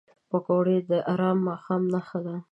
پکورې د ارام ماښام نښه ده